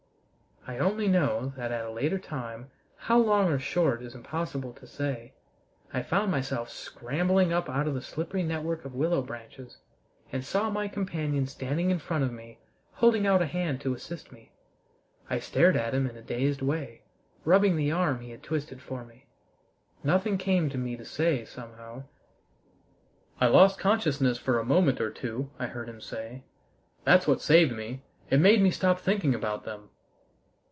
I only know that at a later time, how long or short is impossible to say, I found myself scrambling up out of the slippery network of willow branches, and saw my companion standing in front of me holding out a hand to assist me. I stared at him in a dazed way, rubbing the arm he had twisted for me. Nothing came to me to say, somehow. "I lost consciousness for a moment or two," I heard him say. "That's what saved me. It made me stop thinking about them."